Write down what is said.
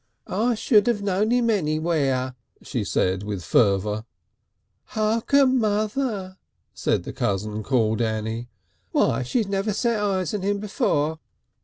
"I should 'ave known 'im anywhere," she said with fervour. "Hark at mother!" said the cousin called Annie. "Why, she's never set eyes on him before!"